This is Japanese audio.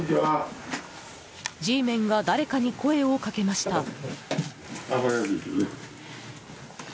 Ｇメンが誰かに声をかけました。